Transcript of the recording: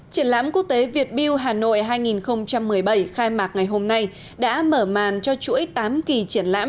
triển lãm quốc tế việt build hà nội hai nghìn một mươi bảy khai mạc ngày hôm nay đã mở màn cho chuỗi tám kỳ triển lãm